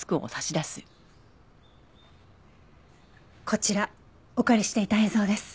こちらお借りしていた映像です。